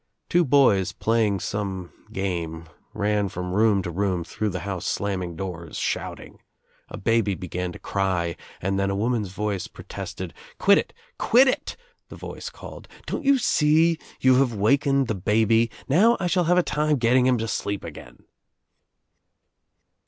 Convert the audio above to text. Two boys playing some game ran from room to room through the house, slamming doors, shouting. A baby began to cry and then a woman's voice protested. "Quit itl Quit it I" the voice called. "Don't you see you have wakened chi baby? Now I shall have a time getting him to sleep again."